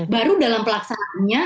baru dalam pelaksanaannya